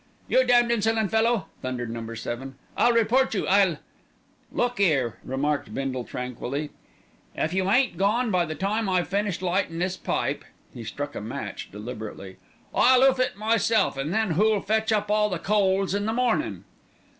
"You damned insolent fellow!" thundered Number Seven, "I'll report you, I'll " "Look 'ere," remarked Bindle tranquilly, "if you ain't gone by the time I've finished lightin' this pipe," he struck a match deliberately, "I'll 'oof it myself, an' then who'll fetch up all the coals in the mornin'?"